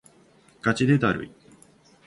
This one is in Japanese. ガチでだるい